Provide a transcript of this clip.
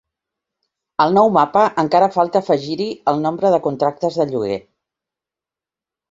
Al nou Mapa encara falta afegir-hi el nombre de contractes de lloguer